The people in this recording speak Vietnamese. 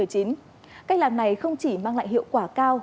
cách làm này không chỉ mang lại hiệu quả cao